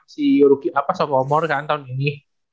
si ruki apa sama omor kan tahun ini